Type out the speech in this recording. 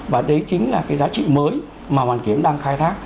và đấy chính là cái giá trị mới mà hoàn kiếm đang khai thác